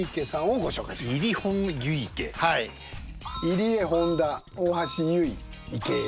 入江本多大橋悠依池江。